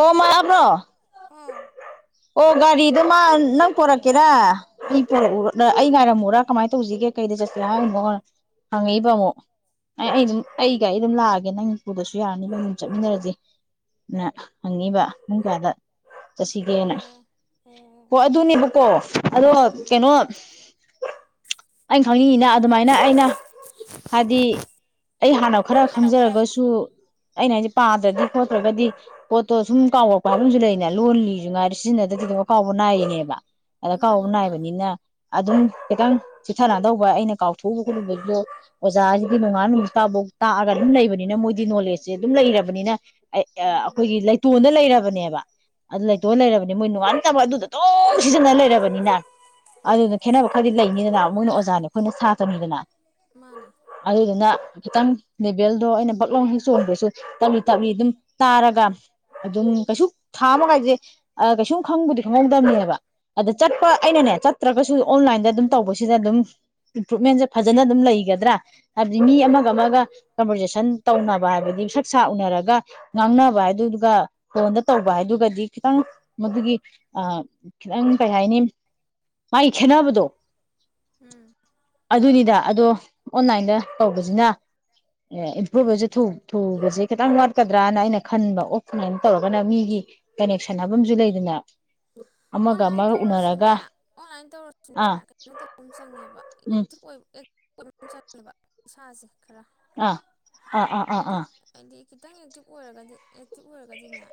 ꯑꯣ ꯃꯥꯇꯥꯕ꯭ꯔꯣ꯫ ꯑꯥꯎ ꯑꯣ ꯒꯥꯔꯤꯗꯨ ꯃꯥ ꯅꯪ ꯄꯣꯔꯛꯀꯦꯔ ꯑꯩ ꯄꯣꯔꯛꯎ ꯑꯩ ꯉꯥꯏꯔꯝꯃꯨꯔꯥ ꯀꯃꯥꯏꯅ ꯇꯧꯁꯤꯒꯦ ꯀꯩꯗ ꯆꯠꯁꯦ ꯍꯥꯏꯃꯣꯅ ꯍꯪꯉꯛꯏꯕ ꯑꯃꯨꯛ ꯑꯩ ꯑꯩ ꯑꯗꯨꯝ ꯑꯩꯒꯥꯏ ꯑꯗꯨꯝ ꯂꯥꯛꯑꯒꯦ ꯅꯪ ꯄꯨꯨꯗꯁꯨ ꯌꯥꯔꯅꯤ ꯅꯪ ꯑꯗꯨꯝ ꯆꯠꯃꯤꯟꯅꯔꯁꯦꯅ꯫ ꯍꯪꯉꯤꯕ ꯄꯨꯡ ꯀꯌꯥꯗ ꯆꯠꯁꯤꯒꯦꯅ ꯑꯣ ꯀꯣ ꯑꯣ ꯑꯗꯨꯅꯦꯕꯀꯣ ꯑꯗꯣ ꯎꯝ ꯀꯩꯅꯣ ꯑꯩꯅ ꯈꯪꯅꯤꯡꯉꯤꯅ ꯑꯗꯨꯃꯥꯏꯅ ꯑꯩꯅ ꯍꯥꯏꯗꯤ ꯑꯩ ꯍꯥꯟꯅ ꯈꯔ ꯈꯪꯖꯔꯒꯁꯨ꯫ ꯑꯩꯅ ꯍꯥꯏꯁꯦ ꯄꯥꯗ꯭ꯔꯗꯤ ꯈꯣꯠꯇ꯭ꯔꯒꯗꯤ꯫ ꯄꯣꯠꯇꯣ ꯁꯨꯝ ꯀꯥꯎꯔꯛꯄ ꯍꯥꯏꯕꯃꯁꯨ ꯂꯩꯅ ꯂꯣꯟ ꯂꯤꯁꯨ ꯉꯥꯏꯔꯦ ꯁꯤꯖꯤꯟꯅꯗ꯭ꯔꯗꯤ ꯑꯗꯨꯝ ꯀꯥꯎꯕ ꯅꯥꯏꯔꯤꯅꯦꯕ꯫ ꯑꯀꯥꯎꯕ ꯃꯥꯅꯦ ꯃꯥꯅꯦ ꯅꯥꯏꯕꯅꯤꯅ ꯑꯗꯨꯝ ꯈꯤꯇꯪ ꯆꯤꯊ ꯅꯥꯟꯗꯧꯕ꯫ ꯑꯩꯅ ꯀꯥꯎꯊꯣꯛꯎꯕ ꯈꯣꯠꯂꯨꯕꯁꯨ ꯑꯣꯖꯥꯁꯤꯗꯤ ꯅꯣꯡꯉꯥꯟ ꯅꯨꯃꯤꯠꯇꯥꯐꯥꯎ ꯇꯥꯛ ꯑꯒ ꯑꯗꯨꯝ ꯂꯩꯕꯅꯤꯅ ꯃꯣꯏꯗꯤ ꯅꯣꯂꯦꯖꯁꯦ ꯑꯗꯨꯝ ꯂꯩꯔꯕꯅꯤꯅ ꯎꯝ ꯑꯩꯈꯣꯏꯒꯤ ꯂꯩꯇꯣꯟꯗ ꯂꯩꯔꯕꯅꯦꯕ꯫ ꯑꯗꯨ ꯂꯩꯇꯣꯏ ꯎꯝ ꯂꯩꯔꯕꯅꯦ ꯃꯣꯏ ꯅꯣꯉꯥꯟꯇꯥꯕꯥꯎ ꯑꯗꯨꯗ ꯑꯗꯨꯝ ꯁꯤꯖꯤꯟꯅ ꯂꯩꯔꯕꯅꯤꯅ ꯑꯗꯨꯅ꯫ ꯈꯦꯠꯅꯕ ꯈꯔꯗꯤ ꯂꯩꯅꯤꯗꯅ ꯃꯣꯏꯅ ꯑꯣꯖꯥꯅꯦ ꯑꯩꯈꯣꯏꯅ ꯁꯥꯇꯔꯅꯤꯗꯅ꯫ ꯃꯥꯅꯦ ꯑꯗꯨꯗꯨꯅ ꯈꯤꯇꯪ ꯂꯦꯕꯦꯜ꯫ ꯑꯗꯣ ꯑꯩꯅ ꯕꯛꯂꯥꯎꯅ ꯍꯦꯛ ꯆꯣꯡꯕꯁꯨ ꯇꯞꯂꯤ ꯇꯞꯂꯤ ꯑꯗꯨꯝ ꯇꯥꯔꯒ꯫ [inaudible] ꯑꯗꯨꯝ ꯎꯝ ꯀꯩꯁꯨ ꯊꯥ ꯑꯃꯒꯥꯏꯁꯦ ꯑ ꯀꯩꯁꯨꯝ ꯈꯪꯕꯨꯗꯤ ꯈꯪꯍꯧꯗꯝꯅꯦꯕ ꯑꯗ ꯆꯠꯄ ꯑꯩꯅꯅꯦ ꯆꯠꯇ꯭ꯔꯒꯁꯨ ꯑꯣꯟꯂꯥꯏꯟꯗ ꯑꯗꯨꯝ ꯇꯧꯕꯁꯤꯗ ꯑꯗꯨꯝ ꯏꯝꯄ꯭ꯔꯨꯨꯞꯃꯦꯟꯁꯦ ꯐꯖꯅ ꯑꯗꯨꯝ ꯂꯩꯒꯗ꯭ꯔꯥ ꯍꯥꯏꯕꯗꯤ ꯃꯤ ꯑꯃꯒ ꯑꯃꯒ ꯀꯟꯚꯔꯖꯦꯁꯟ ꯇꯧꯅꯕ ꯍꯥꯏꯕꯗꯤ ꯁꯛ ꯁꯥ ꯎꯅꯔꯒ ꯉꯥꯡꯅꯕ ꯍꯥꯏ ꯑꯗꯨꯒ ꯐꯣꯟꯗ ꯇꯧꯕ ꯍꯥꯏꯗꯨꯒꯗꯤ ꯈꯤꯇꯪ ꯃꯗꯨꯒꯤ ꯑ ꯈꯤꯇꯪ ꯀꯩ ꯍꯥꯏꯅꯤ ꯃꯥꯒꯤ ꯈꯦꯠꯅꯕꯗꯣ ꯎꯝ ꯑꯗꯨꯅꯤꯗ ꯑꯗꯣ꯫ [inaudible] ꯑꯣꯟꯂꯥꯏꯟꯗ ꯇꯧꯕꯁꯤꯅ ꯏꯝꯄ꯭ꯔꯨꯚ ꯊꯨ ꯊꯨꯕꯁꯦ ꯈꯤꯇꯪ ꯋꯥꯠꯀꯗ꯭ꯔꯥꯅ ꯑꯩꯅ ꯈ ꯑꯣꯐꯂꯥꯏꯟ ꯇꯧꯔꯒꯅ ꯃꯤꯒꯤ ꯀꯅꯦꯛꯁꯟ ꯍꯥꯏꯕꯃꯁꯨ ꯂꯩꯗꯅ꯫ [inaudible] ꯑꯃꯒ ꯑꯣꯟꯂꯥꯏꯟ ꯑꯃꯒ ꯎꯅꯔꯒ ꯇꯧꯔꯁꯨꯅꯦ ꯑꯣꯟꯂꯥꯏꯟ ꯇꯧꯔꯁꯨꯅꯦ ꯑꯥ ꯀꯩꯅꯣ ꯇꯧꯕ ꯑꯃ ꯆꯪꯉꯦꯕ ꯎꯝ ꯑꯦꯛꯇꯤꯕ [unintelligible] ꯏꯁꯥꯁꯦ ꯈꯔ ꯑꯥ ꯑꯥ ꯑꯥ ꯑꯥ ꯍꯥꯏꯗꯤ ꯑꯥ ꯍꯥꯏꯗꯤ ꯈꯤꯇꯪ ꯑꯦꯛꯇꯤꯞ ꯑꯣꯏꯔꯒꯗꯤ ꯑꯦꯛꯇꯤꯞ ꯑꯣꯏꯔꯒꯗꯤꯅꯦ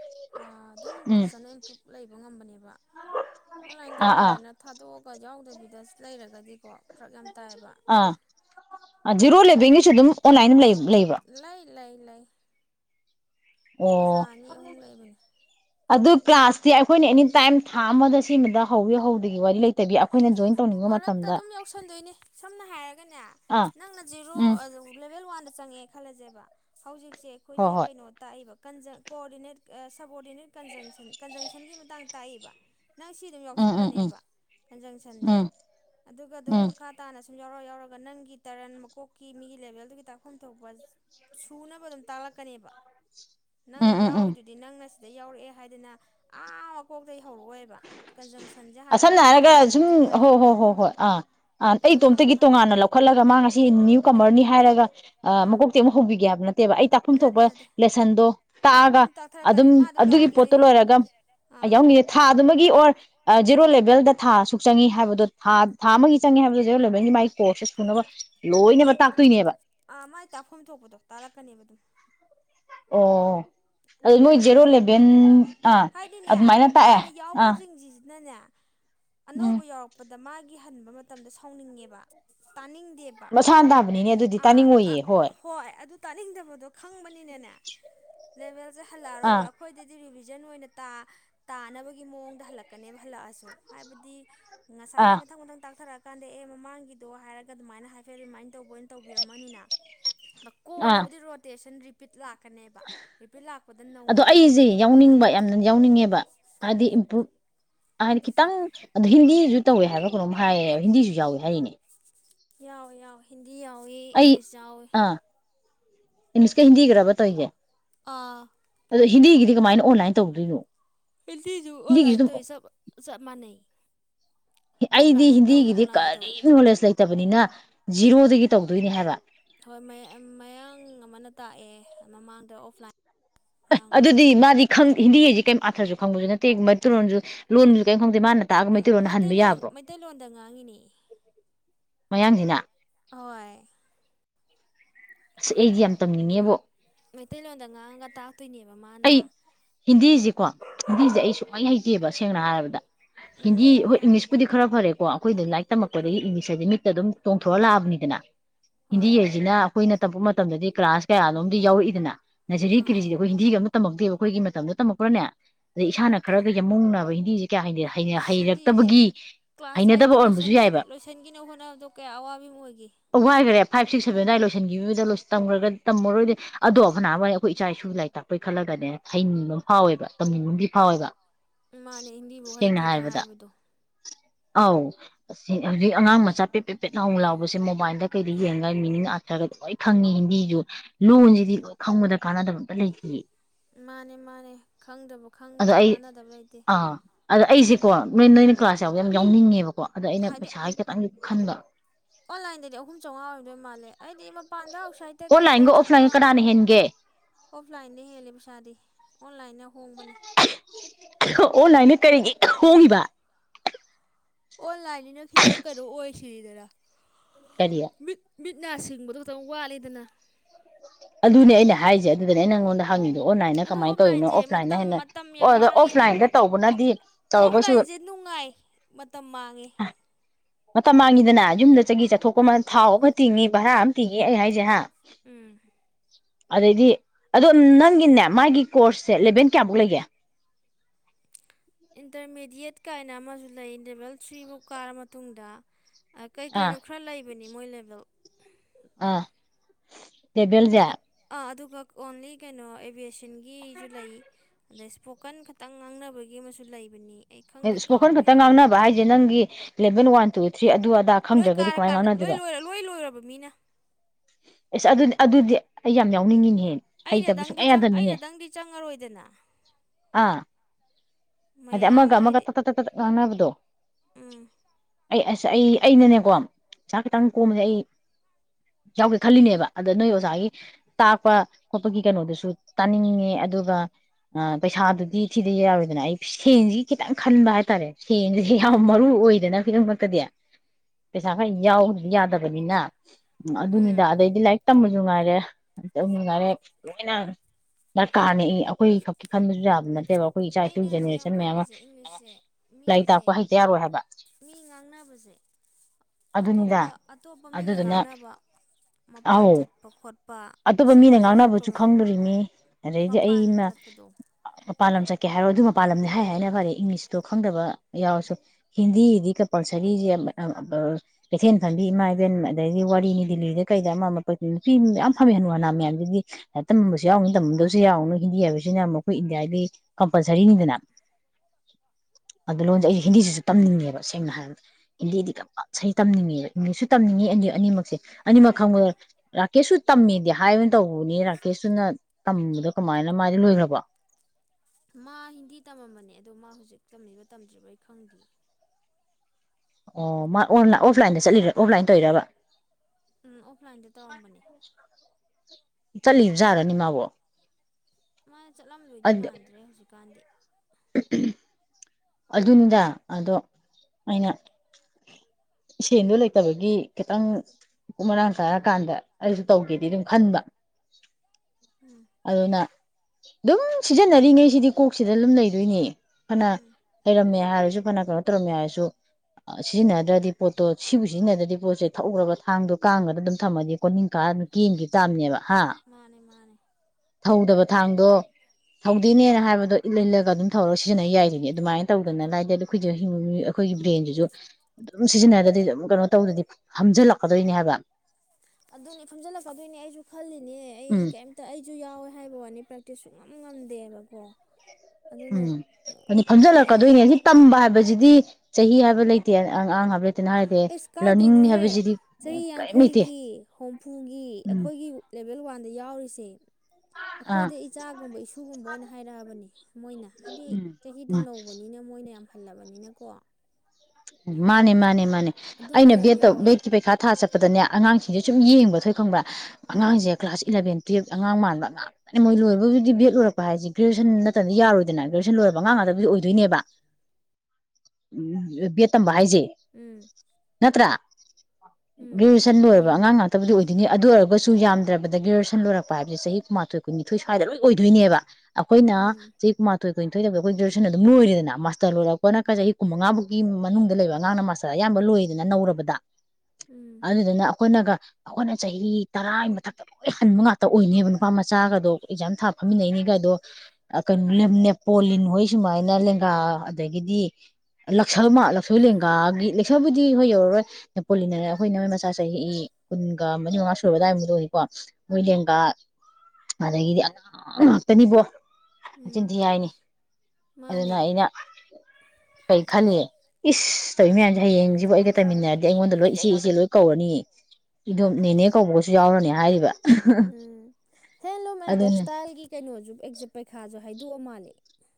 ꯑꯗꯨꯝ ꯎꯝ ꯐꯖꯅ ꯏꯝꯄ꯭ꯔꯨꯚ ꯂꯩꯕ ꯉꯝꯕꯅꯦꯕ ꯑꯣꯟꯂꯥꯏꯟ ꯑꯥ ꯇꯧꯔꯤꯅꯦ ꯑꯥ ꯊ ꯇꯣꯛꯑꯒ ꯌꯥꯎꯗꯕꯤꯗ ꯂꯩꯔꯒꯗꯤꯀꯣ ꯐꯔꯛ ꯌꯥꯝ ꯇꯥꯏꯌꯦꯕ ꯑꯥ ꯖꯤꯔꯣ ꯂꯩꯕꯒꯤꯁꯨ ꯑꯗꯨꯝ ꯑꯣꯟꯂꯥꯏꯟ ꯑꯗꯨꯝ ꯂꯩꯕ ꯂꯩ ꯂꯩ ꯂꯩ ꯑꯣꯖꯥ ꯑꯣ ꯑꯅꯤ ꯑꯍꯨꯝ ꯂꯩꯕꯅꯦ ꯑꯗꯨ ꯀ꯭ꯂꯥꯁꯇꯤ ꯑꯩꯈꯣꯏꯅ ꯑꯦꯅꯤꯇꯥꯏꯝ ꯊꯥ ꯑꯃꯗ ꯁꯤꯃꯗ ꯍꯧꯋꯤ ꯍꯧꯗꯒꯤ ꯋꯥꯔꯤ ꯂꯩꯇꯕꯤ ꯑꯩꯈꯣꯏꯅ ꯖꯣꯏꯟ ꯇꯧꯅꯤꯡꯕ ꯃꯔꯛꯇ ꯃꯇꯝꯗ ꯑꯗꯨꯝ ꯌꯥꯧꯁꯟꯗꯣꯏꯅꯤ ꯁꯝꯅ ꯍꯥꯏꯔꯒꯅꯦ ꯑꯥ ꯅꯪꯅ ꯖꯦꯔꯣ ꯎꯝ ꯂꯦꯚꯦꯜ ꯋꯥꯟ ꯆꯪꯉꯦ ꯈꯜꯂꯁꯦꯕꯍꯧꯖꯤꯛ ꯁꯦ ꯍꯣꯏ ꯑꯩꯈꯣꯏꯁꯦ ꯍꯣꯏ ꯀꯩꯅꯣ ꯇꯥꯛꯏꯕ ꯀꯣꯑꯣꯗꯤꯅꯦꯠ ꯁꯕꯑꯣꯔꯗꯤꯅꯦꯠ ꯀꯟꯖꯁꯟ ꯀꯟꯖꯪꯁꯟꯒꯤ ꯃꯇꯥꯡ ꯇꯥꯛꯏꯕ ꯅꯪ ꯁꯤ ꯑꯗꯨꯝ ꯎꯝ ꯎꯝ ꯎꯝ ꯌꯥꯎꯁꯜꯂꯅꯦꯕ ꯀꯟꯖꯪꯁꯟꯁꯦ ꯎꯝ ꯑꯗꯨꯒ ꯑꯗꯨꯝ ꯎꯝ ꯃꯈꯥ ꯇꯥꯅ ꯁꯨꯝ ꯌꯥꯎꯔ ꯌꯥꯎꯔꯒ ꯅꯪꯒꯤ ꯇꯔꯟ ꯃꯀꯣꯛꯀꯤ ꯃꯤꯒꯤ ꯂꯦꯚꯦꯜꯗꯨꯒꯤ ꯇꯥꯛꯐꯝ ꯊꯣꯛꯄ ꯁꯨꯅꯕ ꯑꯗꯨꯝ ꯇꯥꯛꯂꯛꯀꯅꯦꯕ ꯎꯝ ꯅꯪꯅ ꯎꯝ ꯎꯝ ꯌꯥꯎꯔꯤꯗꯨꯗꯤ ꯅꯪꯅ ꯁꯤꯗ ꯌꯥꯎꯔꯛꯑꯦ ꯍꯥꯏꯗꯅ ꯑꯥ ꯃꯀꯣꯛꯇꯒꯤ ꯍꯧꯔꯛꯑꯣꯏꯕ ꯀꯟꯖꯪꯁꯟꯁꯦ ꯍꯥꯟꯅ ꯅꯪ ꯑꯗꯨꯝ ꯈꯪꯅꯒꯥꯏ ꯆꯠꯈ꯭ꯔꯅꯦꯕ ꯍꯣꯏ ꯍꯣ ꯍꯣꯏ ꯑꯥ ꯑꯥ ꯑꯩ ꯑꯗꯨꯒ ꯑꯗꯨꯝ ꯏꯇꯣꯝꯇꯒꯤ ꯃꯈꯥ ꯃꯈꯥ ꯇꯣꯉꯥꯟꯅ ꯂꯧꯈꯠꯂꯒ ꯃꯥ ꯉꯁꯤ ꯅꯅꯤꯌꯨ ꯀꯝꯃꯔꯅꯤ ꯍꯥꯏꯔꯒ ꯑꯥ ꯃꯀꯣꯛꯇꯤ ꯑꯃꯨꯛ ꯍꯧꯕꯤꯒꯦ ꯍꯥꯏꯕ ꯅꯠꯇꯦꯕ ꯑꯩ ꯇꯥꯛ ꯐꯝ ꯅꯠꯇꯦ ꯊꯣꯛꯄ ꯅꯠꯇꯦ ꯂꯦꯁꯟꯗꯣ ꯇꯥꯛꯑꯒ ꯑꯗꯨꯝ ꯇꯥꯛꯊꯔꯛꯀꯅꯤ ꯑꯗꯨꯝ ꯃꯥ ꯑꯗꯨꯒꯤ ꯄꯣꯠꯇꯣ ꯌꯥꯎꯍꯟꯈꯤꯗꯣꯏꯅꯤ ꯂꯣꯏꯔꯒ ꯑꯥ ꯌꯥꯎꯅꯤꯡꯅꯦ ꯊꯥ ꯑꯗꯨꯃꯛ ꯑꯥ ꯖꯦꯔꯣ ꯂꯦꯚꯦꯜꯗ ꯊꯥ ꯑꯁꯨꯛ ꯆꯪꯏꯤ ꯍꯥꯏꯕꯗꯣ ꯊꯥ ꯊꯥ ꯑꯃꯒꯤ ꯆꯪꯏꯤ ꯍꯥꯏꯕꯗꯣ ꯖꯦꯔꯣ ꯂꯦꯚꯦꯜꯒꯤ ꯃꯥꯒꯤ ꯀꯣꯔꯁꯁꯦ ꯊꯨꯅꯕ ꯂꯣꯏꯅꯃꯛ ꯇꯥꯛꯇꯣꯏꯅꯦꯕ ꯑꯥ ꯃꯥꯏ ꯇꯥꯐꯝ ꯊꯣꯛꯄꯗꯣ ꯇꯥꯂꯛꯀꯅꯦꯕ ꯑꯗꯨꯝ ꯑꯣ ꯅꯣꯏ ꯑꯗꯨ ꯖꯦꯔꯣꯂꯦꯚꯦꯟ ꯑꯥ ꯑꯗꯨꯃꯥꯏꯅ ꯇꯥꯛꯑꯦ ꯑꯥ ꯅ ꯅꯦ ꯎꯝ ꯑꯅꯎꯕ ꯌꯥꯑꯣꯕꯥ ꯑ ꯗꯗ ꯃꯥꯒꯤ ꯍꯟꯕ ꯃꯇꯝꯗ ꯁꯥꯎꯅꯤꯡꯉꯦꯕ ꯇꯥꯅꯤꯡ ꯃꯁꯥꯅ ꯇꯥꯕꯅꯤꯅꯦ ꯑꯗꯨꯗꯤ ꯇꯥꯅꯤꯡꯉꯣꯏꯌꯦ ꯍꯣꯏ ꯇꯅꯤꯛꯗꯕꯗꯣ ꯈꯪꯕꯅꯤꯅꯅꯦ ꯂꯦꯕꯦꯜ ꯁꯦ ꯑꯥ ꯍꯜꯂꯛꯑꯔꯣꯏꯕ ꯑꯩꯈꯣꯏꯗꯗꯤ ꯖꯟ ꯇꯥꯅ ꯇꯥꯅꯕꯒꯤ ꯃꯑꯣꯡꯗ ꯍꯜꯂꯛꯀꯅꯦꯕ ꯍꯂꯛꯑꯁꯨ ꯍꯥꯏꯕꯗꯤ ꯑꯥ ꯉꯁꯥꯏꯒꯤ ꯃꯊꯪ ꯃꯊꯪ ꯇꯥꯛꯊꯔꯛꯑꯒꯦ ꯍꯥꯏ ꯀꯥꯟꯗ ꯑꯦ ꯃꯃꯥꯡꯒꯤꯗꯣ ꯍꯥꯏꯔꯒ ꯑꯗꯨꯃꯥꯏꯅ ꯍꯥꯏꯐꯦꯠ ꯔꯤꯃꯥꯏꯟ ꯇꯧꯕ ꯑꯣꯏꯅ ꯇꯧꯕꯤꯔꯝꯃꯅꯤꯅ ꯑ ꯑꯥ ꯀꯣꯟꯅꯕꯨꯗꯤ ꯔꯣꯇꯦꯁꯟ ꯥꯂꯛ ꯀꯅꯦꯕ ꯑꯗꯣ ꯑꯩꯁꯦ ꯌꯥꯎꯅꯤꯡꯕ ꯌꯥꯝꯅ ꯌꯥꯎꯅꯤꯡꯉꯦꯕ ꯍꯥꯏꯗꯤ ꯏꯝꯄ꯭ꯔꯨꯨꯞ ꯍꯥꯏꯗꯤ ꯈꯤꯇꯪ ꯑꯗ ꯍꯤꯟꯗꯤꯁꯨ ꯇꯧꯋꯦ ꯍꯥꯏꯕ ꯀꯩꯅꯣꯝ ꯍꯥꯏ ꯍꯤꯟꯗꯤꯁꯨ ꯌꯥꯎꯋꯦ ꯍꯥꯏꯔꯤꯅꯦ ꯌꯥꯎꯋꯦ ꯌꯥꯎꯋꯦ ꯍꯤꯟꯗꯤ ꯌꯥꯎꯋꯤ ꯑꯩ ꯏꯪꯂꯤꯁ ꯌꯥꯎꯋꯤ ꯑꯥ ꯏꯪꯂꯤꯁ ꯀ ꯍꯤꯟꯗꯤ ꯒꯔꯕ ꯇꯣꯏꯦꯁ‌ꯦ ꯑꯥ ꯑꯗ ꯍꯤꯟꯗꯤꯒꯤꯗꯤ ꯀꯃꯥꯏꯅ ꯑꯣꯟꯂꯥꯏꯟ ꯇꯧꯗꯣꯏꯅꯣ ꯍꯤꯟꯗꯤꯁꯨꯨ ꯍꯤꯟꯗꯤꯒꯤꯁꯨ ꯑꯣꯟꯂꯥꯏꯟ ꯑꯗꯨꯝ ꯇꯧꯋ‌ꯦ ꯆꯞ ꯆꯞ ꯃꯥꯟꯅꯩ ꯑꯩꯗꯤ ꯑꯣꯐꯂꯥꯏꯟꯁꯨ ꯇꯧꯋꯤ ꯍꯤꯟꯗꯤꯒꯤꯗꯤ ꯑꯣꯟꯂꯥꯏꯟꯁꯨ ꯇꯧꯋꯤ ꯀꯔꯤꯝ ꯅꯣꯂꯦꯖ ꯂꯩꯇ‌ꯦ ꯇꯕꯅꯤꯅ ꯖꯤꯔꯣꯗꯒꯤ ꯇꯧꯗꯣꯏꯅꯤ ꯍꯥꯏꯕ ꯍꯣꯏ ꯃꯌꯥꯡ ꯑꯃꯅ ꯇꯥꯛꯑꯦ ꯃꯃꯥꯡꯗ ꯑꯣꯐꯂꯥꯏꯟ ꯃꯌꯥꯡ ꯑꯗꯨꯗꯤ ꯅꯨꯄꯤ ꯃꯥꯗꯤ ꯍꯤꯟꯗꯤ ꯍꯧꯖꯤꯛ ꯀꯩꯝ ꯑꯥꯊꯔꯁꯨ ꯈꯪꯕꯁꯨ ꯅꯠꯇꯦ ꯃꯩꯇꯩꯔꯣꯟꯁꯨ ꯂ‌ꯣꯟꯁꯨ ꯈꯪꯗꯦ ꯃꯥꯅ ꯇꯥꯛꯑꯒ ꯎꯝ, ꯃꯩꯇꯩꯔꯣꯟꯗ ꯍꯟꯕ ꯃꯩꯇꯩꯂꯣꯟ ꯌꯥꯕ꯭ꯔꯣ ꯃꯩꯇꯩꯂꯣꯟꯗ ꯉꯥꯡꯉꯤꯅꯦ ꯃꯌꯥꯡꯁꯤꯅ ꯍꯣꯏ ꯑꯁ ꯑꯩꯗꯤ ꯌꯥꯝ ꯇꯝꯅꯤꯡꯉꯦꯕꯣ ꯃꯇꯩꯂ‌ꯣꯟꯗ ꯉꯥꯡꯉꯒ ꯇꯥꯛ ꯑꯩ ꯍꯤꯟꯗꯤꯁꯤꯀꯣ ꯍꯤꯟꯗꯤꯁꯦ ꯑꯩ ꯁꯨꯡꯍꯩ ꯍꯩꯇꯦꯕ ꯁꯦꯡꯅ ꯍꯥꯏꯔꯕꯗ ꯍꯤꯟꯗꯤ ꯎꯝ ꯍ‌ꯣꯏ ꯏꯪꯂꯤꯁ ꯀꯨꯗꯤ ꯈꯔ ꯐꯔꯦꯀꯣ ꯑꯩꯈꯣꯏꯗ ꯂꯥꯏꯔꯤꯛ ꯇꯝꯃꯛꯄꯗꯒꯤ ꯏꯪꯂꯤꯁ ꯍꯥꯏꯗꯤ ꯃꯤꯠꯇ ꯑꯗꯨꯝ ꯆꯣꯡꯊꯣꯔ ꯂꯥꯛꯑꯕꯅꯤꯗꯅ ꯍꯤꯟꯗꯤ ꯍꯣꯏ ꯍꯥꯏꯁꯤꯅ ꯑꯩꯈꯣꯏꯅ ꯇꯝꯕ ꯃꯇꯝꯗꯗꯤ ꯀ꯭ꯂꯥꯁ ꯀꯌꯥꯅ‌ꯣꯝꯗꯩ ꯌꯥꯎꯔꯛꯏꯗꯅ ꯅꯖꯔꯤ ꯑꯥ ꯀꯔꯤꯁꯤꯗꯤ ꯑꯩꯈ‌ꯣꯏ ꯍꯤꯟꯗꯤꯒ ꯇꯝꯃꯛꯇꯦꯕ ꯑꯩꯈꯣꯏꯒꯤ ꯃꯇꯝꯗ ꯇꯝꯃꯛꯄ꯭ꯔꯣꯅꯦ ꯑꯗꯩ ꯏꯁꯥꯅ ꯇꯝꯃꯛꯇꯦ ꯈꯔꯒ ꯌꯥꯝ ꯃꯨꯅꯕ‌ꯩ ꯑꯁ ꯍꯤꯟꯗꯤꯁꯤ ꯀ꯭ꯂꯥꯁ ꯍꯩꯅꯗꯕ ꯑꯥꯏꯠꯇ ꯑꯣꯏꯔꯝꯕꯁꯨ ꯌꯥꯏꯕ ꯂꯣꯏꯁꯤꯟꯈꯤꯅꯕ ꯍꯣꯠꯅꯕꯗꯣ ꯀꯌꯥ ꯑꯋꯥꯕꯤꯅꯣ ꯑꯣꯏꯒꯦ ꯋꯥꯏꯈꯔꯦ ꯐꯥꯏꯚ ꯁꯤꯛꯁ ꯁꯕꯦꯟ ꯑꯗꯨ꯭ꯋꯥꯏꯗ ꯂꯣꯏꯁꯤꯟꯈꯤꯕꯗ ꯇꯝꯈ꯭ꯔꯒ ꯇꯝꯃꯔꯣꯏꯗꯤ ꯑꯗꯣ ꯐꯉꯝ ꯑꯩꯈꯣꯏꯏꯆꯥ ꯏꯁꯨ ꯂꯩꯇ ꯄꯣꯏꯈꯠꯂꯒꯅꯦ ꯍꯩꯅꯤꯡꯕ ꯑꯃ ꯐꯥꯎꯋꯦꯕ ꯇꯝꯅꯤꯡꯕꯗꯤ ꯐꯥꯎꯋꯦꯕ ꯃꯥꯅꯦ ꯍꯤꯟꯗꯤꯕꯨ ꯍꯩꯇꯦꯒ ꯍꯥꯏꯕꯗꯣ ꯑꯥꯎ ꯁꯤ ꯍꯧꯖꯤꯛ ꯑꯉꯥꯡ ꯃꯆꯥ ꯄꯦꯠ ꯄꯦꯠ ꯂꯥꯎ ꯂꯥꯎꯕꯁꯦ ꯃꯣꯕꯥꯏꯜꯗ ꯀꯩꯗ ꯌꯦꯡꯉꯒ ꯃꯤꯅꯤꯡ ꯑꯥꯠꯊ꯭ꯔꯒꯗꯤ ꯂꯣꯏ ꯈꯪꯉꯤ ꯍꯤꯟꯗꯤꯁꯨ ꯂꯣꯟꯁꯤꯗꯤ ꯂꯣꯏ ꯈꯪꯕꯗ ꯀꯥꯟꯅꯗꯕ ꯑꯝꯇ ꯂꯩꯇꯌꯦ ꯃꯥꯅꯦ ꯃꯥꯅꯦ ꯈꯪꯗꯕ ꯈꯪꯕꯅ ꯀꯥꯟꯅꯗꯕ ꯂꯩꯇꯦ ꯑꯗ ꯑꯩꯁꯦꯀꯣ ꯅꯣꯏ ꯅꯣꯏꯅ ꯀ꯭ꯂꯥꯁꯦ ꯌꯥꯎꯕꯗꯦ ꯌꯥꯝ ꯌꯥꯎꯅꯤꯡꯉꯦꯕꯀꯣ ꯀꯣ ꯑꯗ ꯑꯩꯅ ꯍꯥꯏꯗꯤ ꯄꯩꯁꯥꯥꯁ ꯈꯤꯇꯪ ꯈꯟꯕ ꯑꯣꯟꯂꯥꯏꯟꯗꯗꯤ ꯑꯍꯨꯝ ꯆꯥꯝꯃꯉꯥ ꯑꯣꯏꯔꯝꯗꯣꯏ ꯃꯥꯜꯂꯦ ꯑꯩꯗꯤ ꯃꯄꯥꯟꯗ ꯑꯥꯎꯠꯁꯥꯏꯗꯠꯇ ꯀꯩꯗ ꯑꯣꯟꯂꯥꯏꯟꯒ ꯆꯠꯄ ꯑꯣꯐꯂꯥꯏꯟꯒ ꯀꯅꯥꯅ ꯍꯦꯟꯒꯦ ꯑꯣꯐꯂꯥꯏꯟꯗ ꯍꯦꯜꯂꯦ ꯄꯩꯁꯥꯗꯤ ꯑꯣꯟꯂꯌ꯭ꯥꯟꯅ ꯍꯣꯡꯕꯅꯤ ꯑꯣꯟꯂꯥꯏꯟꯅ ꯀꯔꯤꯒꯤ ꯍꯣꯡꯉꯤ ꯕ ꯑꯣꯟꯂꯌ꯭ꯥꯟ ꯑꯩꯅ ꯈꯤꯇꯪ ꯀꯔꯣ ꯑꯣꯏ ꯁꯤꯔꯤꯗꯔ ꯀꯔꯤꯌꯥ ꯃꯤꯠ ꯅꯥ ꯁꯤꯡꯕꯗꯣ ꯈꯤꯇꯪ ꯋꯥꯠꯂꯤꯦꯗꯅ ꯑꯗꯨꯅꯦ ꯑꯩꯅ ꯍꯥꯏꯖ ꯑꯗꯨꯗꯅ ꯑꯩ ꯅꯪꯉꯣꯟꯗ ꯎꯝ ꯍꯪꯉꯤꯗꯣ ꯑꯣꯟꯂꯥꯏꯟꯅ ꯑꯗꯣ ꯀꯃꯥꯏꯅ ꯇꯧꯔꯤꯅꯣ ꯑꯣꯐꯂꯥꯏꯟꯁꯦ ꯑꯣꯐꯂꯥꯏꯟꯅ ꯃꯇꯝ ꯍꯦꯟꯅ ꯃꯇꯝ ꯑꯣ ꯌꯥꯝ ꯑꯗꯣ ꯃꯥꯡꯉꯤꯅ ꯑꯣꯐꯂꯥꯏꯟꯗ ꯇꯧꯕꯅꯗꯤ ꯇꯧꯔꯒꯁꯨ ꯑꯣꯐꯂꯥꯏꯟꯁꯦ ꯅꯨꯡꯉꯥꯏ ꯃꯇꯝ ꯃꯥꯡꯉꯤ ꯃꯇꯝ ꯃꯥꯡꯉꯤꯗꯅ ꯌꯨꯝꯗ ꯆꯒꯤ ꯆꯠꯊꯣꯛꯄ ꯑꯃ ꯊꯥꯎ ꯑꯃ ꯇꯤꯡꯉꯤ ꯚꯔꯥ ꯑꯃ ꯇꯤꯡꯉꯦ ꯑꯩ ꯍꯥꯏꯁꯦꯍ ꯎꯝ ꯑꯗꯩꯗꯤ ꯑꯗꯣ ꯅꯪꯒꯤꯅꯦ ꯃꯥꯒꯤ ꯀꯣꯔꯁꯁꯦ ꯂꯦꯚꯦꯟ ꯀꯌꯥꯃꯨꯛ ꯂꯩꯒꯦ ꯏꯟꯇꯔꯃꯦꯗꯤꯌꯦꯠ ꯀꯥꯏꯅ ꯑꯃꯁꯨ ꯂꯩ ꯂꯦꯕꯦꯜ ꯊ꯭ꯔꯤꯕ ꯐꯥꯎ ꯀꯥꯔ ꯃꯇꯨꯡꯗ ꯑ ꯀꯩ ꯑꯥ ꯀꯩꯅꯣ ꯈꯔ ꯂꯩꯕꯅꯤ ꯅꯤꯡꯅꯤꯃꯣꯏ ꯂꯦꯕꯣ ꯂꯦꯕꯦꯜꯖ ꯑꯗꯨꯒ ꯑꯣꯟꯂꯤ ꯀꯩꯅꯣ ꯑꯦꯕꯤꯌꯦꯁꯟꯒꯤꯁꯨ ꯂꯩ ꯑꯗꯩ ꯁ꯭ꯄꯣꯀꯟ ꯈꯇꯪ ꯉꯥꯡꯅꯕꯒꯤ ꯑꯃꯁꯨ ꯂꯩꯕꯅꯤ ꯑꯩ ꯈꯪꯗꯦ ꯏꯁꯄꯣꯀꯜ ꯀꯥꯎꯔꯦ ꯈꯛꯇ ꯉꯥꯡꯅꯕ ꯍꯥꯏꯁꯦ ꯅꯪꯒꯤ ꯏꯂꯦꯚꯦꯟ ꯋꯥꯟ ꯢꯅꯥꯎꯗꯤꯕꯜ ꯂꯣꯏ ꯀꯥꯔꯀꯥꯟꯗ ꯂꯣꯏ ꯂꯣꯏꯔ ꯂꯣꯏ ꯂꯣꯏꯔꯕ ꯃꯤꯅ ꯑꯦꯁ ꯑꯗꯨ ꯑꯗꯨꯗꯤ ꯑꯩ ꯌꯥꯝ ꯌꯥꯎꯅꯤꯡꯉꯤꯍꯦ ꯑꯩꯅꯗꯪꯗꯤ ꯑꯩꯅꯗꯪꯗꯤ ꯆꯪꯉꯔꯣꯏꯗꯅ ꯑꯗ ꯑꯃꯃꯒ ꯃꯌꯥꯝ ꯑꯃꯃꯒ ꯍꯥꯏꯗꯤ ꯇ ꯇ ꯀꯥꯟꯕꯗꯣ ꯎꯝ ꯑꯩ ꯑꯁ ꯑꯩ ꯑꯩꯅꯅꯦꯀꯣ ꯆꯥꯛ ꯈꯤꯇꯪ ꯀꯣꯝꯕꯅꯦ ꯑꯩ ꯌꯥꯎꯒꯦ ꯈꯜꯂꯤꯅꯦꯕ ꯑꯗ ꯅꯣꯏ ꯑꯣꯖꯥꯒꯤ ꯇꯥꯛꯄ ꯈꯣꯠꯄꯒꯤ ꯀꯩꯅꯣꯗꯨꯁꯨ ꯇꯥꯅꯤꯡꯉꯦ ꯑꯗꯨꯒ ꯄꯩꯁꯥꯗꯨꯗꯤ ꯊꯤꯗ ꯌꯥꯎꯔꯦꯗꯅ ꯑꯩ ꯁꯦꯟꯁꯤꯒꯤ ꯈꯤꯇꯪ ꯈꯟꯕ ꯍꯥꯏꯇꯥꯔꯦ ꯁꯦꯟꯁꯤꯗꯤ ꯌꯥꯝ ꯃꯔꯨ ꯑꯣꯏꯗꯅ ꯈꯨꯗꯃꯛꯇꯗꯤ ꯄꯩꯁꯥ ꯈꯔ ꯌꯥꯎꯕꯗꯤ ꯌꯥꯗꯕꯅꯤꯅ ꯑꯗꯨꯅꯤꯗ ꯎꯝ ꯑꯗꯩꯗꯤ ꯂꯥꯏꯔꯤꯛ ꯇꯝꯕꯁꯨ ꯉꯥꯏꯔꯦ ꯇꯁꯨ ꯉꯥꯏꯔꯦ ꯂꯣꯏꯅ ꯗꯔꯀꯥꯔꯅꯦ ꯑꯩꯈꯣꯏ ꯈꯛꯀꯤ ꯈꯟꯕꯁꯨ ꯌꯥꯕ ꯅꯠꯇꯦꯕ ꯑꯩꯈꯣꯏ ꯆꯥꯛ ꯑꯩꯅ ꯍꯧꯖꯤꯛ ꯇꯤꯡꯖꯅꯦꯔ ꯌꯥꯝ ꯈꯜꯂꯤꯁꯦ ꯏꯪꯂꯤꯁꯁꯦ ꯃꯤꯁꯦ ꯍꯩꯇ ꯌꯥꯔꯣꯏ ꯍꯥꯏꯕ ꯃꯤ ꯉꯥꯡꯅꯕꯁꯦ ꯑꯗꯨꯅꯤꯗ ꯑꯇꯣꯞꯄ ꯑꯇꯣꯞꯄ ꯃꯤꯒ ꯑꯗꯨꯗꯨꯅ ꯉꯥꯡꯅꯕ ꯃꯄꯥꯟ ꯑꯧ ꯆꯠꯄ ꯈꯣꯠꯄ ꯑꯇꯣꯞꯄ ꯃꯤꯅ ꯑꯁꯨꯝꯕꯁꯦ ꯌꯥꯝ ꯉꯥꯡꯅꯕꯁꯨ ꯄ꯭ꯔꯣꯕꯂꯦꯝ ꯈꯪꯗꯣꯔꯤꯅꯤ ꯃꯄꯥꯟ ꯆꯠꯄꯗꯣ ꯃꯄꯥ ꯂꯝ ꯆꯠꯀꯦ ꯍꯥꯏꯔꯣ ꯑꯗꯨꯒ ꯄꯥꯜꯂꯝꯅꯤ ꯎꯝ ꯍꯥꯏꯅ ꯐꯔꯦ ꯏꯪꯂꯤꯁꯇ ꯑꯣ ꯈꯪꯗꯕ ꯌꯥꯎꯔꯁꯨ ꯍꯤꯟꯗꯤꯗꯤ ꯀꯝꯄꯜꯁꯔꯤꯁꯦ ꯀꯩꯊꯦꯜ ꯐꯝꯕꯤ ꯏꯃꯥ ꯏꯕꯦꯟ ꯑꯩꯗꯤ ꯋꯥꯔꯤꯅꯤ ꯗꯤꯜꯂꯤꯗ ꯀꯩꯗ ꯑꯃ ꯑꯃ ꯅꯨꯄꯤ ꯃꯌꯥꯝ ꯐꯝꯃꯦ ꯍꯅꯨ ꯍꯅꯥ ꯃꯌꯥꯝꯁꯤꯗꯤ ꯂꯥꯏ ꯇꯝꯃꯝꯕꯁꯨ ꯌꯥꯎꯅ ꯇꯝꯃꯗꯁꯨ ꯌꯥꯎꯅꯨ ꯍꯤꯟꯗꯤ ꯍꯥꯏꯕꯁꯤꯅ ꯑꯃꯨꯛ ꯑꯩꯈꯣꯏ ꯏꯟꯗꯤꯌꯥꯗꯤ ꯀꯝꯄꯜꯁꯔꯤꯅꯤꯗꯅ ꯑꯗꯨ ꯂꯣꯟꯁꯦ ꯑꯩꯁꯨ ꯍꯤꯟꯗꯤꯁꯤꯁꯨ ꯇꯝꯅꯤꯡꯉꯦꯕ ꯁꯦꯡꯅ ꯍꯥꯏꯔꯕꯗ ꯍꯤꯟꯗꯤꯗꯤ ꯀ ꯏꯁꯩ ꯇꯝꯅꯤꯡꯉꯦꯕ ꯏꯪꯂꯤꯁꯁꯨ ꯇꯝꯅꯤꯡꯉꯦ ꯑꯅꯤꯃꯛꯁꯦ ꯑꯅꯤꯃꯛ ꯈꯪꯕꯗ ꯎꯝ ꯔꯥꯀꯦꯁꯁꯨ ꯇꯝꯃꯤꯗꯤ ꯍꯥꯏꯅ ꯇꯧꯕꯅꯤ ꯔꯥꯀꯦꯁꯇꯨꯅ ꯇꯝꯕꯗ ꯀꯃꯥꯏꯅ ꯃꯥꯗꯤ ꯂꯣꯏꯈ꯭ꯔꯕ ꯃꯥ ꯍꯤꯟꯗꯤ ꯇꯝꯃꯝꯕꯅꯦ ꯑꯗꯣ ꯃꯥ ꯍꯧꯖꯤꯛ ꯇꯝꯂꯤꯕ ꯇꯝꯗ꯭ꯔꯤꯕꯩ ꯈꯪꯗꯦ ꯑꯣ ꯃꯥ ꯑꯣꯐꯂꯥꯏꯟꯗ ꯆꯠꯂꯤꯔ ꯑꯣꯐꯂꯥꯏꯟ ꯇꯧꯔꯕ ꯎꯝ ꯑꯣꯐꯂꯥꯏꯟꯗ ꯇꯧꯔꯝꯕꯅꯦ ꯆꯠꯂꯤꯕꯖꯥꯔꯅꯤ ꯃꯥꯕꯣ ꯃꯥ ꯆꯠꯂꯝꯗꯣꯏꯗꯤ ꯃꯥꯟꯗ꯭ꯔꯦ ꯍꯧꯖꯤꯛꯀꯥꯟꯗꯤ ꯍ ꯑꯗꯨꯅꯤꯗ ꯑꯗꯣ ꯑꯩꯅ ꯁꯦꯟꯗꯣ ꯂꯩꯇꯕꯒꯤ ꯈꯤꯇꯪ ꯀꯛ ꯃꯔꯥꯡ ꯀꯥꯏꯔꯀꯥꯟꯗ ꯑꯩꯁꯨ ꯇꯧꯒꯦꯗꯤ ꯑꯗꯨꯝ ꯈꯟꯕ ꯎꯝ ꯑꯗꯨꯅ ꯑꯗꯨꯝ ꯁꯤꯖꯤꯟꯅꯔꯤꯉꯩ ꯁꯤꯗꯤ ꯀꯣꯛꯁꯤꯗ ꯑꯗꯨꯝ ꯂꯩꯗꯣꯏꯅꯦ ꯐꯅ ꯎꯝ ꯂꯩꯔꯝꯃꯦ ꯍꯥꯏꯔꯁꯨ ꯀꯅ ꯀꯩꯅꯣ ꯇꯧꯔꯝꯃꯦ ꯍꯥꯏꯔꯁꯨ ꯁꯤꯖꯤꯟꯅꯗ꯭ꯔꯗꯤ ꯄꯣꯠꯇꯣ ꯁꯤꯕꯨ ꯁꯤꯖꯤꯟꯅꯗ꯭ꯔꯗꯤ ꯄꯣꯠꯁꯦ ꯊꯛꯎꯈ꯭ꯔꯕ ꯊꯥꯡꯗꯣ ꯀꯥꯡꯉꯒ ꯑꯗꯨꯝ ꯊꯝꯃꯗꯤ ꯀꯣꯅꯤꯡ ꯀꯥꯔ ꯑꯗꯨꯝ ꯀꯦꯟꯈꯤ ꯆꯥꯝꯅꯦꯕ ꯃꯥꯅꯦ ꯃꯥꯅꯦ ꯊꯧꯗꯕ ꯊꯥꯡꯗꯣ ꯊꯧꯗꯦꯅꯦꯅ ꯍꯥꯏꯕꯗꯣ ꯏꯜ ꯏꯜꯂꯒ ꯑꯗꯨꯝ ꯊꯧꯔꯒ ꯁꯤꯖꯤꯟꯅ ꯌꯥꯏꯗꯣꯏꯅꯤ ꯑꯗꯨꯃꯥꯏꯅ ꯇꯧꯗꯅ ꯂꯩꯏꯗꯤ ꯑꯗꯨꯗ ꯑꯩꯈꯣꯏꯁꯨ ꯍꯤꯡ ꯑꯩꯈꯣꯏꯒꯤ ꯕ꯭ꯔꯦꯟꯗꯨꯁꯨ ꯑꯗꯨꯝ ꯁꯤꯖꯤꯟꯅꯗꯗꯤ ꯑꯗꯨꯝ ꯀꯩꯅꯣ ꯇꯧꯗꯗꯤ ꯍꯥꯝꯖꯤꯜꯂꯛꯀꯗꯣꯏꯅꯦ ꯍꯥꯏꯕ ꯑꯗꯨꯅꯦ ꯐꯝꯖꯤꯜꯂꯛꯀꯗꯣꯏꯅꯦ ꯑꯩꯁꯨ ꯈꯜꯂꯤ ꯅꯦ ꯑꯩ ꯎꯝ ꯀꯩꯝꯇ ꯑꯩꯁꯨ ꯌꯥꯎꯋꯦ ꯍꯥꯏꯕ ꯋꯥꯅꯤ ꯄ꯭ꯔꯦꯛꯇꯤꯁꯁꯨ ꯉꯝ ꯉꯝꯗꯦꯕꯀꯣ ꯑꯗꯨꯅ ꯎꯝ ꯑꯗꯨ ꯀꯩ ꯍꯥꯏ ꯐꯝꯖꯤꯜꯂꯛꯀꯗꯣꯏꯅꯦ ꯁꯤ ꯇꯝꯕ ꯍꯥꯏꯕꯁꯤꯗꯤ ꯗꯤ ꯆꯍꯤ ꯍꯥꯏꯕ ꯂꯩꯇꯦ ꯑꯉꯥꯡ ꯍꯥꯏꯕ ꯂꯩꯇꯦꯅ ꯍꯥꯏꯔꯗꯤ ꯑꯦꯁ ꯂꯔꯅꯤꯡ ꯀꯥꯏꯗꯣꯏꯅꯣꯍꯦ ꯍꯥꯏꯕꯁꯤꯗꯤ ꯆꯍꯤ ꯀꯔꯤꯝ ꯂꯩꯇꯦ ꯌꯥꯡꯈꯩꯒꯤ ꯍꯨꯝꯐꯨꯒꯤ ꯎꯝ ꯑꯩꯈꯣꯏꯒꯤ ꯂꯦꯚꯦꯜ ꯋꯥꯟ ꯑ ꯗꯗ ꯌꯥꯎꯔꯤꯁꯦ ꯑꯥ ꯑꯩꯈꯣꯏꯗ ꯏꯆꯥꯒꯨꯝꯕ ꯏꯁꯨꯒꯨꯝꯕ ꯑꯣꯏꯅ ꯍꯥꯌꯔꯕꯅꯦ ꯍꯥꯌꯅꯥ ꯀꯧꯏ꯫ ꯃꯣꯏꯅ ꯍꯥꯏꯗꯤ ꯎꯝ ꯆꯍꯤꯗꯣ ꯎꯝ ꯅꯧꯕꯅꯤꯅ ꯃꯣꯏꯅ ꯌꯥꯝ ꯍꯜꯂꯕꯥꯅꯤꯅꯥ ꯀꯣ꯫ ꯃꯅꯦ ꯃꯅꯦ ꯃꯅꯦ꯫ ꯑꯗꯨꯝꯕ ꯑꯩꯅꯥ ꯕꯤ. ꯌꯥꯝ ꯑꯦꯗ ꯇ꯭ꯕꯤ ꯌꯥꯎꯋꯦ ꯕꯤ. ꯑꯦꯗ ꯒꯤ ꯄꯦꯏꯈꯥ ꯊ꯭ꯕꯥ ꯆꯇꯄꯥ꯫ ꯈꯄꯗꯅꯦ ꯑꯉꯥꯡꯁꯤꯡꯁꯦ ꯁꯨꯝ ꯌꯦꯡꯕ ꯊꯣꯏ ꯈꯪꯕ꯭ꯔꯥ ꯑꯉ꯭ꯒꯪ ꯁꯦ ꯎꯝ ꯀ꯭ꯂꯥꯁ ꯑꯦꯂꯦꯚꯦꯟ꯫ ꯇꯨꯌꯦꯞ ꯑꯉꯥꯡ ꯃꯥꯟꯕ ꯑꯉꯥꯡꯅꯦ ꯃꯣꯏ ꯂꯣꯏꯕꯕꯨꯗꯤ ꯕꯦꯠ ꯂꯣꯏꯔꯛꯄ ꯍꯥꯏꯁꯤꯦ ꯒ꯭ꯔꯦꯖꯨꯌꯦꯦꯁꯟ ꯃꯇꯝꯗꯤ ꯌꯥꯔꯣꯏꯗꯅ ꯒ꯭ꯔꯦꯖꯨꯌꯦꯁꯟꯣꯏꯔꯕ ꯑꯉꯥꯡ ꯉꯥꯛꯇꯕꯨꯗꯤ ꯑꯣꯏꯗꯣꯏꯅꯦꯕ ꯇꯝꯕ ꯍꯥꯏꯖꯦ ꯎꯝ ꯑꯦꯟ. ꯇꯤ. ꯑꯥꯔ. ꯑꯦ ꯎꯝ ꯒ꯭ꯔꯦꯖꯨꯑꯦꯁꯟ ꯎꯝ ꯂꯣꯏꯔꯕ ꯑꯉꯥꯡ ꯉꯥꯛꯇꯕꯨꯗꯤ ꯑꯣꯏꯗꯣꯏꯅꯤ ꯑꯗꯨ ꯑꯣꯏꯔꯒꯁꯨ ꯇꯨ ꯌꯥꯝꯗ꯭ꯔꯗ ꯒꯦꯖꯨꯦꯁꯟ ꯂꯔꯛꯄ ꯍꯥꯏꯕꯁꯦ ꯆꯍꯤ ꯀꯨꯟꯃꯊꯣꯏ ꯀꯨꯟꯅꯤꯊꯣꯏ ꯁ꯭ꯋꯥꯏꯗ ꯂꯣꯏ ꯑꯣꯏꯗꯣꯏꯅꯦꯕ ꯑꯈꯣꯏꯅꯥ ꯎꯝ ꯆꯥꯍꯤ ꯀꯨꯅꯃꯥ꯫ ꯑꯩꯣꯏꯨꯅꯤꯊꯣꯏꯗ ꯑꯩꯈꯣꯏꯒꯦꯖꯨꯑꯁꯟ ꯑꯗꯨꯝ ꯂꯔꯦꯗꯅꯁꯇꯔ ꯂꯣꯏꯔꯄꯅꯒ ꯆꯍꯤ ꯀꯟꯃꯉꯥꯃꯥꯎꯀꯤ ꯃꯅꯨꯡꯗ ꯂꯩꯕ ꯑꯉꯥꯡꯅ ꯃꯥꯁꯇꯔ ꯑꯌꯥꯝꯕ ꯂꯣꯏꯌꯦꯗꯅ ꯅꯧꯔꯕꯗ ꯎꯝ ꯑꯗꯨ ꯗꯨꯅꯥ꯫ ꯑꯩꯈꯣꯏꯅꯒ ꯑꯩꯈꯣꯏꯅ ꯆꯍꯤ ꯇꯔꯥꯒꯤ ꯃꯊꯛꯇ ꯂꯣꯏ ꯍꯟꯕ ꯉꯥꯛꯇ ꯑꯣꯏꯅꯦꯕ ꯅꯨꯄꯥ ꯃꯆꯥꯒꯗꯣ ꯑꯦꯛꯖꯥꯝ ꯊꯥ ꯐꯝꯃꯤꯟꯅꯩꯅꯤꯒ ꯑꯗꯣ ꯀꯩꯅꯣ ꯅꯦꯄꯣꯂꯤꯟ ꯍꯣꯏ ꯁꯨꯃꯥꯏꯅ ꯂꯦꯡꯒꯥ ꯑꯗꯒꯤꯗꯤ ꯂꯩꯁꯜ ꯂꯁꯣꯏ ꯂꯦꯡꯒꯥꯒꯤ ꯂꯩꯁꯜꯕꯨꯗꯤ ꯍꯣꯏ ꯌꯧꯔꯔꯣꯏ ꯅꯄꯣꯜꯂꯤꯅ ꯑꯩꯈꯣꯏ ꯅ ꯃꯣꯏ ꯃꯆꯥ ꯆꯍꯤ ꯀꯨꯟꯒ ꯃꯔꯤ ꯃꯉꯥ ꯁꯨꯨꯔꯔꯕꯗꯥꯏ ꯑꯃꯨꯛꯗ ꯑꯣꯏꯏꯀꯣ ꯃꯣꯏ ꯂꯦꯡꯒꯥ ꯑꯗꯒꯤꯗꯤ ꯑꯉꯥꯡ ꯉꯥꯛꯇꯅꯤꯕꯣ ꯆꯤꯟ ꯎꯝ ꯊꯤꯌꯦ ꯍꯥꯌꯅꯤ ꯑꯗꯨꯅꯥ ꯃꯥꯅꯦ ꯑꯩꯅꯥ꯫ ꯀꯦꯏ ꯈꯟꯅꯤ꯫ ꯏꯁ ꯇꯧꯏ ꯃꯌꯥꯝꯁꯦ ꯍꯌꯦꯡꯁꯤꯕꯨ ꯑꯩꯒ ꯇꯃꯤꯟꯅꯔꯦ ꯏꯌꯣꯟꯗꯥ ꯂꯣꯏ ꯑꯦꯆꯦ ꯑꯦꯆꯦ ꯂꯣꯏ ꯀ꯭ꯕꯔꯥꯅꯤ꯫ ꯏꯗꯣꯝ ꯅꯦꯅꯦ ꯀꯧꯕꯒꯁꯨ ꯌꯥꯎꯔꯅꯤ ꯍꯥꯏꯔꯤꯕ ꯎꯝ ꯍꯦꯟꯂꯨꯝ ꯑꯦꯟ ꯑꯗꯨꯅꯤ ꯇꯦꯛꯁꯇꯥꯏꯜꯒꯤ ꯀꯩꯅꯣꯁꯨ ꯑꯦꯛꯖꯦ ꯄꯩꯈꯥꯁꯨ ꯍꯥꯏꯗꯣꯔꯥꯕꯥ ꯑꯦꯝ. ꯑꯦꯜ. ꯑꯦꯜ. ꯏ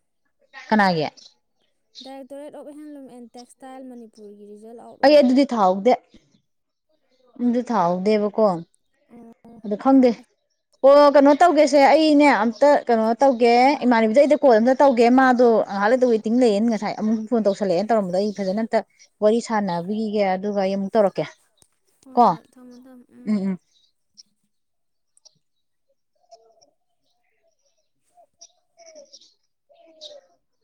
ꯀꯅꯥꯒꯤ꯫ ꯔ ꯇꯔꯦ ꯇꯣꯞ ꯍꯦꯟꯂꯨꯝ ꯑꯦꯟ ꯇꯦꯛꯁꯇꯥꯏꯜ ꯃꯅꯤꯄꯨꯔꯒꯤ ꯔꯤꯖꯜ ꯑꯥꯎꯠ ꯑꯩ ꯑꯣꯏꯔꯦ ꯑꯗꯨꯗꯤ ꯊꯥꯍ꯭ꯑꯣꯗꯦ꯫ [inaudible] ꯎꯝ ꯑꯗꯨ ꯊꯥꯍ꯭ꯑꯣꯗꯦ ꯕꯥ ꯀꯣ꯫ ꯑꯣ ꯑꯗꯨ ꯈꯪꯗꯦ ꯑꯣ ꯀꯩꯅꯣ ꯇꯧꯒꯦꯁꯦ ꯑꯩꯅꯦ ꯑꯝꯇ ꯀꯩꯅꯣ ꯇꯧꯒꯦ ꯎꯝ ꯏꯃꯥꯟꯅꯕꯕꯤꯁꯦ ꯑꯩꯗ ꯀꯣꯜ ꯑꯃꯝ ꯆ ꯇ꯭꯭ꯒꯦ ꯃꯥ ꯑꯗ ꯑꯉꯍꯂꯗ ꯍꯣꯏ ꯇꯤꯡ ꯂꯩꯌꯦꯟ ꯉꯥꯏꯨ ꯐꯣꯟ ꯇꯧ ꯇꯧꯁꯜꯂꯛꯑꯦꯅ ꯇꯧꯔꯝꯕꯗ ꯑꯩ ꯐꯖꯅ ꯑ ꯋꯥꯔꯤ ꯁꯥꯟꯅꯕꯤꯈꯤꯒꯦ ꯑꯗꯨꯒ ꯑꯩ ꯑꯃꯨꯛ ꯇꯧꯔꯛꯀꯦ ꯍꯣꯏ ꯀꯣ ꯍꯣꯏ ꯊꯝꯃꯣ ꯎꯝ ꯊꯝꯃꯣ ꯎꯝ [inaudible]